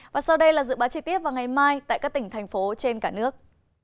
và sau đây là dự báo chi tiết vào ngày mai tại các tỉnh thành phố trên cả nước